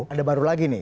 ada baru lagi nih